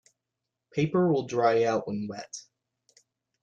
Paper will dry out when wet.